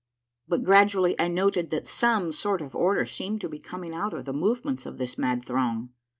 But gradually I noted that some sort of order seemed to be coming out of the movements of this mad throng.